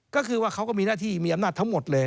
ก็คือว่าเขาก็มีหน้าที่มีอำนาจทั้งหมดเลย